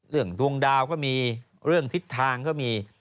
ดวงดาวก็มีเรื่องทิศทางก็มี